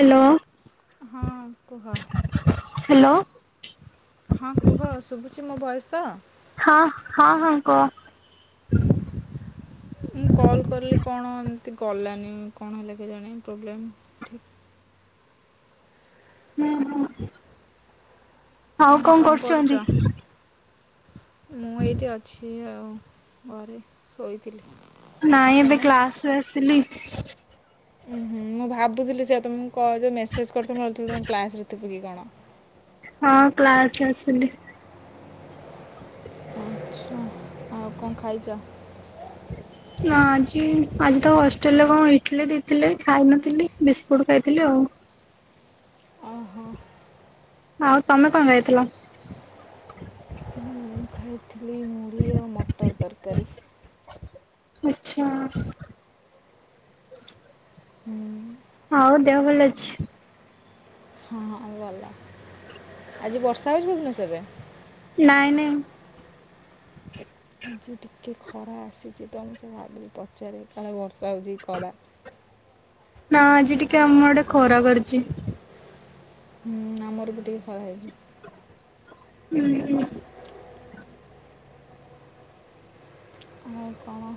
Hello. ହଁ କୁହ। Hello. ହଁ କୁହ ଶୁଭୁଚି ମୋ ଭଏସ୍‌ ତ? ହଁ ହଁ ହଁ କୁହ। ଭୁଁ ଭୁ ମୁଁ କଲ୍ କରିଲି କଣ ଏମତି ଗଲାନି କଣ ହେଲା କି କେଜାଣି ପ୍ରୋବ୍ଲେମ୍? ଠିକ୍ ହୁଁ ହୁଁ। ନାଁ କଁ କରୁଛନ୍ତି? କରୁଚ? ମୁଁ ଏଇଠି ଅଛି ଆଉ ଘରେ ଶୋଇଥିଲି। ନାଇଁ ଏବେ ତମେ କ୍ଲାସ୍‌ରେ ଆସିଲି। ଉୁଁ ହୁଁ ମୁଁ ଭାବୁଥିଲି ସେଇଆ ତ ମୁଁ କ ଯୋଉ ମେସେଜ୍ କରିଥିଲ ମୁଁ ଭାବୁଥିଲି ତମେ କ୍ଲାସ୍‌ରେ ଥିବ କି କଣ। ହଁ କ୍ଲାସେ ଆସିଲି। ଚ୍ଛା। ଆଉ କଁ ଖାଇଚ? ନାଁ ଆଜି ଆଜି ତ ହଷ୍ଟେଲ୍ ରେ କଣ ଇଟଲିି ଦେଇଥିଲେ ଖାଇ ନ ଥିଲି। ବିସ୍କୁଟୁ ଖାଇଥିଲି ଆଉ। ଅ ଆଉ ତମେ କଁ ଖାଇଥିଲ? ମୁଁ ଖାଇଥିଲି ମୁଢ଼ି ଆଉ ମଟର ତରକାରୀ। ଆଚ୍ଛା। ହୁଁ। ଆଉ ଦେହ ଭଲ ଅଛି? ହଁ ଆଉ ଭଲ ଆଜି ବର୍ଷା ହଉଚି ଭୁବନେଶ୍ୱରରେ? ନାଇଁ ନାଇଁ। ଆଜି ଟିକେ ଖରା ଆସିଚି ତ ମୁଁ ସେଇଆ ଭାବିଲି ପଚାରେ କାଳେ ବର୍ଷା ହଉଚି କି ଖରା। ନାଁ ଆଜି ଟିକେ ଆମ ଆଡ଼େ ଖରା କରିଚି। ହୁଁ ଆମର ବି ଟିକେ ଖରା ହେଇଚି। ଉଁ ହୁଁ। ମୁଁ କଣ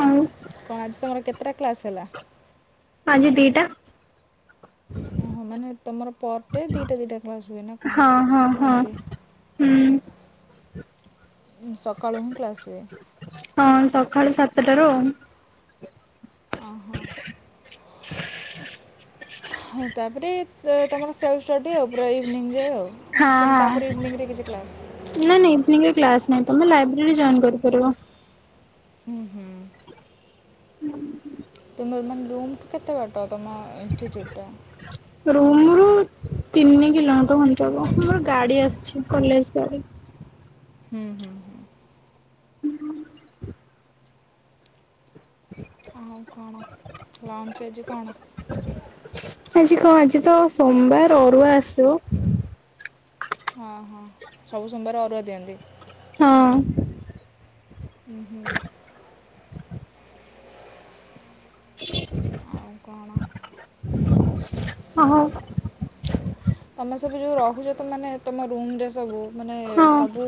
ଆଉ କଣ ଆଜି ତମର କେତେଟା କ୍ଲାସ୍ ହେଲା? ଆଜି ଦିଟା। ଓହୋ ମାନେ ତମର ପର ଡେ ଦିଇଟା ଦିଇଟା କ୍ଲାସ୍ ହୁଏ ନାଁ କଣ ହଁ ହଁ ହଁ କେମତି? ହୁଁ। ସକାଳୁ ହିଁ କ୍ଲାସ ହୁଏ। ହଁ ସଖାଳୁ ସାତେଟାରୁ ଆଉ। ଅହ। ହ ତାପରେ ତ ତମର ସେଲ୍ଫ ଷ୍ଟଡ଼ି ଆଉ ପୁରା ଇଭିନିଂ ଯାଏ ଆଉ। ନାଁ ସେମ୍ ତାପରେ ଇଭିନିଂରେ କିଛି କ୍ଲାସ୍ ନାହିଁ। ନାଁ ନାଁ ଇଭିନିଂରେ କ୍ଲାସ୍ ନାହିଁ ତମେ ଲାଇବ୍ରେରୀ ଜଏନ୍ କରିପାରିବ। ହୁଁ ହୁଁ। [unintelligible] ତୁମର ମାନେ ରୁମ୍ ଠୁ କେତେ ବାଟ ତମ ଇନଷ୍ଟିଚ୍ୟୁଟ ଟା? ରୁମରୁ ତିନି କିଲୋମିଟର ଖଣ୍ଡେ ହବ। ଆମର ଗାଡ଼ି ଆସୁଚି କଲେଜ ଗାଡ଼ି। ହୁଁ ହୁଁ ହୁଁ। [unintelligible] ଆଉ କଣ ଲଞ୍ଚରେ ଆଜି କଣ? ଆଜି କଣ ଆଜି ତ ସୋମବାର ଅରୁଆ ଆସିବ। ହଁ ହଁ ସବୁ ସୋମବାର ଅରୁଆ ଦିଅନ୍ତି? ହଁ। ହୁଁ ହୁଁ। [unintelligible] ଆଉ କଣ? ହ ହଉ। ତମେ ସବୁ ଯୋଉ ରହୁଚ ତ ମାନେ ତମ ରୁମ୍ ରେ ସବୁ ମାନେ ହଁ ସବୁ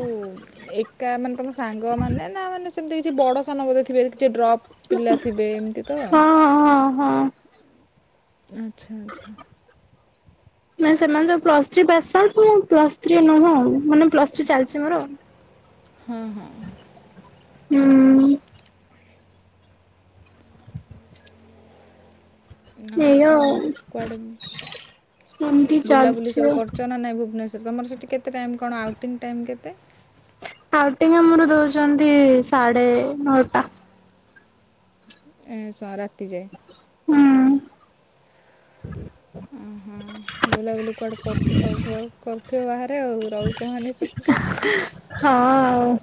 ଏ କା ମାନେ ତମ ସାଙ୍ଗମାନେ ନା ମାନେ ସେମିତି କିଛି ବଡ଼ ସାନ ବୋଧେ ଥିବେ କିଛି ଡ୍ରପ୍ ପିଲା ଥିବେ ଏମିତି ତ? ହଁ ହଁ ହଁ। ଆଚ୍ଛା ଆଚ୍ଛା। ମାନେ ସେମାନେ ସବୁ ପ୍ଲସ ଥ୍ରୀ ପାସ୍ ଆଉଟ୍ ମୁଁ ପ୍ଲସ୍ ଥ୍ରୀ ନୁହଁ ଆଉ ମାନେ ପ୍ଲ ଚି ଚାଲିଚି ମୋର ହୁଁ। ଆଉ କଣ କୁଆଡେ ମୁ ଏମିତି ବୁଲାବୁଲି ଚାଲିଛି ସବୁ ଆଉ। କରୁଛ ନା ନାଇଁ ଭୁବନେଶ୍ଵରରେ ତମର ସେଠି କେତେ ଟାଇମ୍ କଣ ଆଉଟିଙ୍ଗ ଟାଇମ୍ କେତେ? ଆଉଟିଙ୍ଗ ଆମର ଦଉଛନ୍ତି ସାଢେ ନଅଟା। ଏଁ ସ ରାତି ଯାଏ। ହୁଁ। ଉହୁଁ ବୁଲାବୁଲି କୁଆଡ଼େ କରୁଚ ସବୁ ଆଉ? କରୁଥିବ ବାହାରେ ଆଉ ରହୁଛ ମାନେ ସେପଟେ। ହଁ ଆଉ।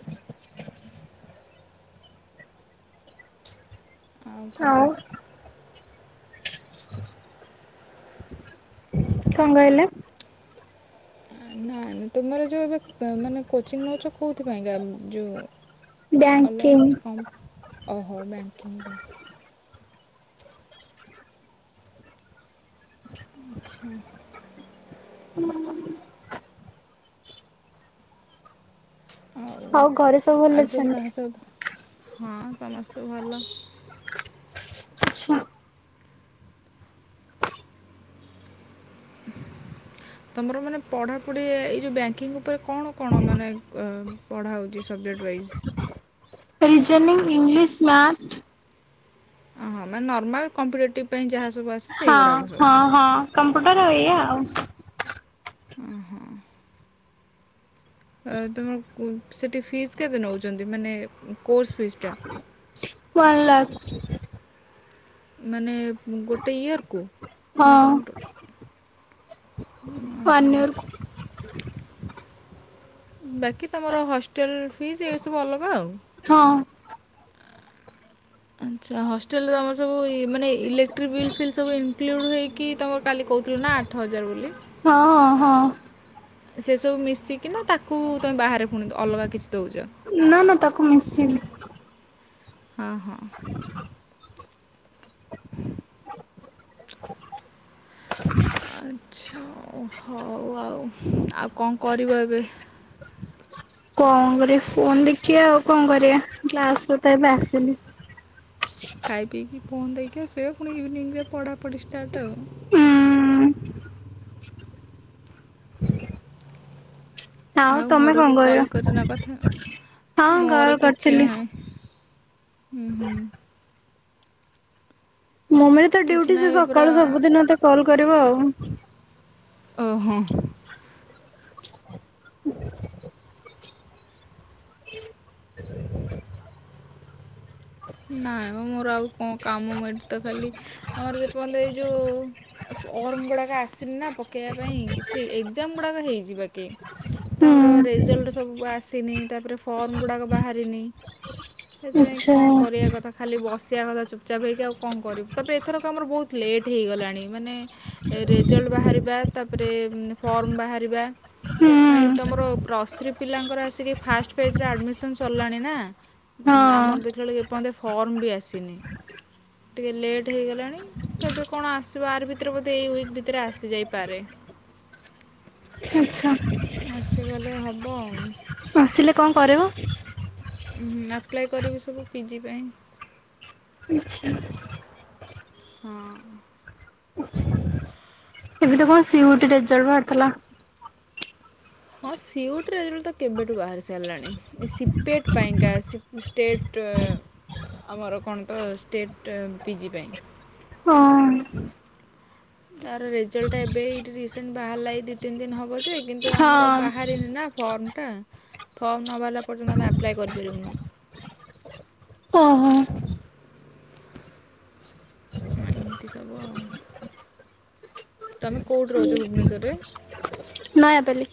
ଆଉ କଣ? କଣ କହିଲେ? ହଁ ନାଇଁ ତୁମର ଯୋଉ ଏବେ ମାନେ କୋଚିଂ ନେଉଚ କୋଉ ଥିପାଇଁକା ଯୋଉ ଅଲଗା ବ୍ୟାଙ୍କିଙ୍ଗ କିଛି କମ୍ ଓହୋ ବ୍ୟାଙ୍କିଙ୍ଗ୍ ପାଇଁ। ଆଚ୍ଛା। ହୁଁ। ଆଉ ଘରେ ଭଲ ଆଉ ସବୁ ଅଛନ୍ତି? କାହା ସହିତ ହଁ ସମସ୍ତେ ଭଲ। ଆଛା। ତମର ମାନେ ପଢ଼ାପଢ଼ି ଏଇ ଯେଉଁ ବ୍ୟାଙ୍କିଙ୍ଗ୍ ଉପରେ କଣ କଣ ମାନେ କ ପଢ଼ା ହେଉଛି subject wise? Reasoning English math. ଓହଁ ମାନେ ନର୍ମାଲ କମ୍ପିଟେଟିଭ ପାଇଁ ଯାହା ସବୁ ଆସି ହଁ ହଁ ହଁ କମ୍ପ୍ୟୁଟର ଏଇଆ ଆଉ। ଉହୁଁ। ଏ ତୁମ କୁ ସେଇଠି ଫିସ୍ କେତେ ନେଉଚନ୍ତି ମାନେ କୋର୍ସ ଫିସ୍ ଟା? ୱାନ୍ ଲାଖ୍। ମାନେ ଗୋଟେ ଇୟରକୁ ନା ତମ ପଟ ୱାନ୍ ଇଅର୍ କୁ ବାକି ତମର ହଷ୍ଟେଲ୍ ଫିସ୍ ଏହି ସବୁ ଅଲଗା ଆଉ ହଁ। ଆଚ୍ଛା ହଷ ହଷ୍ଟେଲ୍ ରେ ତମର ସବୁ ମାନେ ଇଲେକ୍ଟ୍ରିକ୍ ବିଲ୍ ଫିଲ୍ ସବୁ ଇନକ୍ଲୁଡ଼୍ ହେଇକି ତମର କାଲି କହୁଥିଲୁ ନା ଆଠ ହଜାର ବୋଲି। ହଁ ହଁ। ସେ ସବୁ ମିଶିକିନା ତାକୁ ତୁମେ ବାହାରେ ପୁଣି ଅଲଗା କିଛି ଦଉଛ। ନା ନା ତାକୁ ମିଶିନି ହଁ ହଁ। ଆଚ୍ଛା ହଉ ଆଉ ଆଉ କଣ କରିବ ଏବେ? କଣ କରିବ ଫୋନ ଦେଖିବା ଆଉ କଣ କରିବା କ୍ଲାସରୁ ତ ଏବେ ଆସିଲି। ଖାଇ ପିଇକି ଫୋନ ଦେଖିବ ଶୋଇବ ପୁଣି ଇଭିନିଂ ରେ ପଢାପଢି ଷ୍ଟାର୍ଟ ଆଉ ହୁଁ ଆଉ ତମେ କଣ ଘରକୁ କରିବ କଲ୍ କରି ନ କଥା ହଁ ହ କଲ ମୋର କିଛି କରିଥିଲି। ନାହିଁ ହୁଁ ହୁଁ। ମମିର ତ ଡ୍ୟୁଟି କିଛି ସେ ନାହିଁ ପୁରା ସକାଳୁ ସବୁଦିନ ତ କଲ୍ କରିବ ଆଉ ଓହୋ ହଁ। ସେ ନାଇଁ ମ ମୋର ଆଉ କଣ କାମ ମୁଁ ଏଇଠି ତ ଖାଲି ଆମର ଯେପର୍ଯ୍ୟନ୍ତ ଏଇ ଯୋଉ ଫର୍ମ ଗୁଡାକ ଆସିନି ନା ପକେଇବା ପାଇଁ କିଛି ଏଗ୍ଜାମ ଗୁଡାକ ହେଇଚି ବାକି। ତ ହୁଁ। ଆମର ରେଜଲ୍ଟ ସବୁ ଆସିନି ତାପରେ ଫର୍ମ ଗୁଡ଼ାକ ବାହାରିନି। ଆଛା। ଏୟା କଥା ଖାଲି ବସିଆ କଥା ଚୁପଚାପ୍ ହେଇକି ତାପରେ ଏଥରକ ଆମର ବହୁତ ଲେଟ୍ ହେଇଗଲାଣି ମାନେ ରେଜଲ୍ଟ ବାହାରିବା ତାପରେ ଫର୍ମ ବାହାରିବା। ହୁଁ ମାନେ ତମର ପ୍ଲସ୍ ଥ୍ରୀ ପିଲାଙ୍କର ଆସିକି ଫାଷ୍ଟ ଫେଜର ଆଡ଼ମିସନ୍ ସରିଲାଣି ନା ହଁ ନା ଆମର ଆଚ୍ଛା ଦେଖିଲା ବେଳକୁ ଟିକେ ଏପର୍ଯ୍ୟନ୍ତ ଫର୍ମ ବି ଆସିନି ଟିକେ ଲେଟ୍ ହେଇଗଲାଣି? କେବ କଣ ଆସିବ ଆରି ଭିତରେ ବୋଧେ ଏଇ ୱକ୍ ଭିତରେ ଆସିଯାଇପରେ? ଆଚ୍ଛା। ଆସିଗଲେ ହବ ଆଉ ଆସିଲେ କଣ କରିବ? ଉଁ ହୁଁ ଆପ୍ଲାଏ କରିବି ସବୁ ପିଜି ପାଇଁ। ଆଚ୍ଛା ଆଚ୍ଛା। ହଁ। ଏବେ ତ କଣ ସି ୟୁ ଟି ରେଜଲ୍ଟ ବାହାରି ଥିଲା। ହଁ ସି ଉ ଟି ରେ ରେଜଲ୍ଟ ତ କେବେଠୁ ବାହାରି ସାରିଲାଣି ଏ ସି ପି ଏ ଟ୍ ପାଇଁକା ସି ପି ଷ୍ଟେଟ ଆମର କଣ ତ ଷ୍ଟେଟ ପିଜି ପାଇଁ ହଁ। ତାର ରେଜଲ୍ଟ ଟା ଏବେ ଏ ରିସେଣ୍ଟ ବାହାରିଲା ଏ ଦି ତିନି ଦିନ ହବ ଯେ କିନ୍ତୁ ଆମର ହଁ ବାହା ରିନି ନା ଫର୍ମଟା ଫର୍ମ ନ ବାହାରିଲା ପର୍ଯ୍ୟନ୍ତ ଆମେ ଆପ୍ଲାଏ କରିପାରିବୁନୁ। ଓହୋ ହଁ। ଏମିତି ସବୁ ଆଉ ତମେ କୋଉଠି ରହୁଛ ଭୁବନେଶ୍ୱରରେ? ନୟାପାଲ୍ଲି।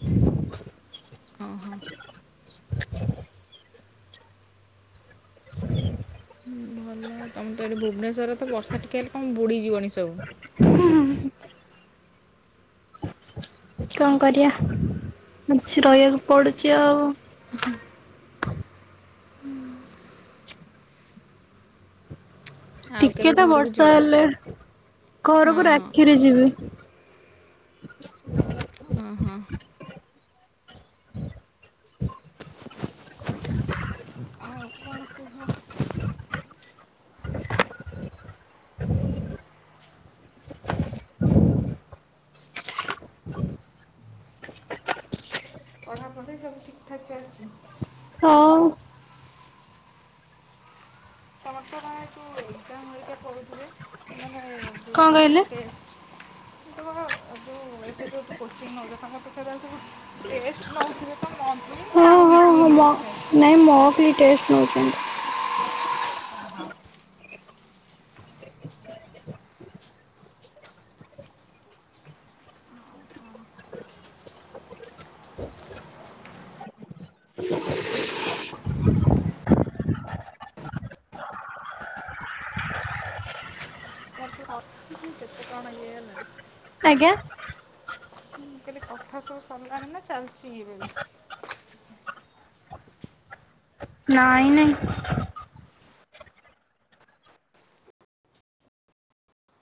ହଁ ହଁ ତମେ ତ ଏ ଭୁବନେଶ୍ୱରରେ ତ ବର୍ଷା ଟିକେ ହେଲେ ତମ ବୁଡ଼ିଯିବନି ସବୁ। ହୁଁ। କଣ କରିଆ କିଛି ରହିବାକୁ ପଡୁଛି ଆଉ ହୁଁ। ହୁଁ। ଆଉ ଟିକେ କେବେ ତ ଘରକୁ ବର୍ଷା ଯିବ ହେଲେ ହଁ ଘରକୁ ରାକ୍ଷୀରେ ଯିବି। ଓ ହଁ ହଁ। ଆଉ କଣ କୁହ? [unintelligible] ପଢ଼ାପଢ଼ି ସବୁ ଠିକଠାକ ଚାଲିଛ? ହଁ। ତମର ଯୋଉ ଏ ଯୋଉ ଏକ୍ସାମ ହେରିକା କରୁଥିଲେ ମାନେ କଣ ଯୋଉ କହିଲେ? ଟେଷ୍ଟ ତମେ ବା ଯେଉଁ ଏବେ ଯେଉଁଠୁ କୋଚିଂ ନଉଛ ତମଠୁ ସେଗୁଡ଼ା ସବୁ ଟେଷ୍ଟ ନଉ ଥିବେ ତ ମନ୍ଥଳି ହଁ ନା ହଁ ଉଇକଲି। ହଁ ମ ମନ୍ଥଲି ଟେଷ୍ଟ ନଉଛନ୍ତି। ଓହ। [unintelligible] ଏ ବର୍ଷ ସ କେତେ କଣ ଇଏ ହେଲାଣି? ଆଜ୍ଞା। ମୁଁ କହିଲି କଥା ସବୁ ସରିଲାଣି ନା ଚାଲିଛି ଇବେବି। ନାଇଁ ନାଇଁ।